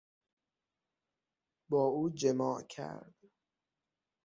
با او جماع کرد.